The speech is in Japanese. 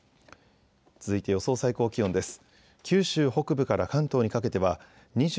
続いて予想最高気温です。